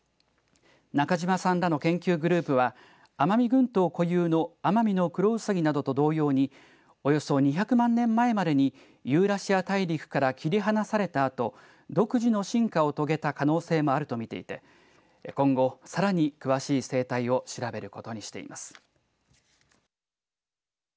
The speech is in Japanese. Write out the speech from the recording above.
中島さんらの研究グループは奄美群島固有のアマミノクロウサギなどと同様におよそ２００万年前までにユーラシア大陸から切り離されたあと独自の進化を遂げた可能性もあると見ていて今後、さらに詳しい生態を調べることにしています。